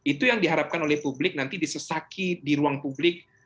itu yang diharapkan oleh publik nanti disesaki di ruang publik